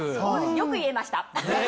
よく言えました！